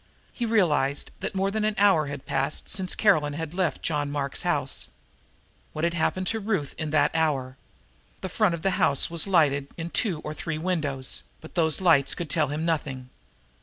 He realized that more than an hour had passed since Caroline had left John Mark's house. What had happened to Ruth in that hour? The front of the house was lighted in two or three windows, but those lights could tell him nothing.